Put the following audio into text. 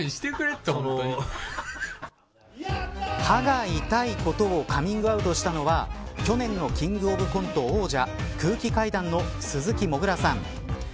歯が痛いことをカミングアウトしたのは去年のキングオブコント王者空気階段の鈴木もぐらさん。